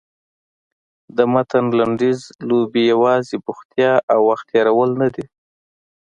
د متن لنډیز لوبې یوازې بوختیا او وخت تېرول نه دي.